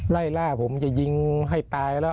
ไล่ล่าผมจะยิงให้ตายแล้ว